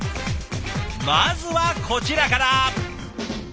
まずはこちらから！